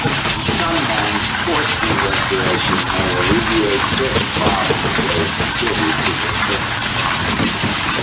In some men, foreskin restoration may alleviate certain problems they attribute to their circumcisions.